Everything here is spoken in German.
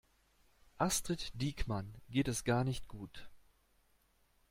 Astrid Diekmann geht es gar nicht gut.